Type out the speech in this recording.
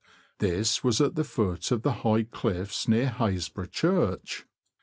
This was at the foot of the high cliffs near Hasbro' Church.